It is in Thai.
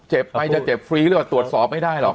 เจ็บไปจะเจ็บฟรีหรือเปล่าตรวจสอบไม่ได้หรอก